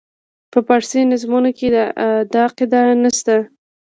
په فارسي نظمونو کې دا قاعده نه شته.